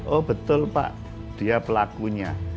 oh betul pak dia pelakunya